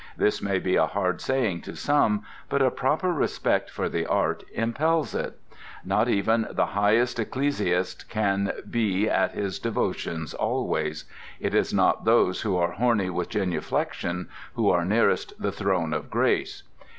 This may be a hard saying to some, but a proper respect for the art impels it. Not even the highest ecclesiast can be at his devotions always. It is not those who are horny with genuflection who are nearest the Throne of Grace.